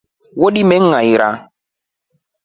Weldima ingairia.